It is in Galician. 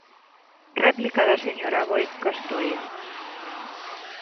Réplica da señora Aboi Costoia.